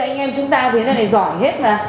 bây giờ anh em chúng ta thế này này giỏi hết mà